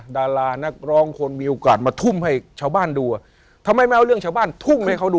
ดารานักร้องคนมีโอกาสมาทุ่มให้ชาวบ้านดูอ่ะทำไมไม่เอาเรื่องชาวบ้านทุ่มให้เขาดู